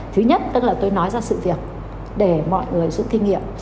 thứ nhất tôi nói ra sự việc để mọi người giúp kinh nghiệm